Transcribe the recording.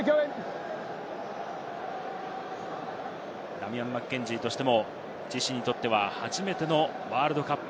ダミアン・マッケンジーとしても自身にとっては初めてのワールドカップ。